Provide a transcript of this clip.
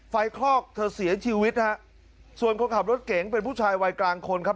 คลอกเธอเสียชีวิตฮะส่วนคนขับรถเก๋งเป็นผู้ชายวัยกลางคนครับ